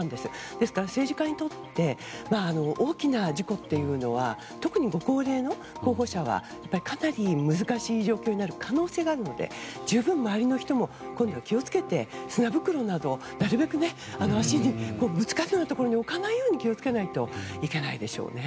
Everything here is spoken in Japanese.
ですから政治家にとって大きな事故というのは特にご高齢の候補者はかなり難しい状況になる可能性があるので十分、周りの人もこういうのは気を付けて砂袋などは、なるべく足にぶつかるようなところに置かないように気を付けないといけないでしょうね。